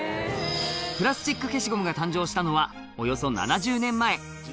プラスチック消しゴムが誕生したのは、およそ７０年前。